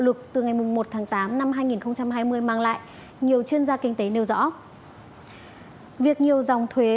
lực từ ngày một tháng tám năm hai nghìn hai mươi mang lại nhiều chuyên gia kinh tế nêu rõ việc nhiều dòng thuế